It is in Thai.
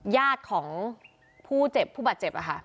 ยาดของผู้เจ็บผู้บาดเจ็บอะค่ะ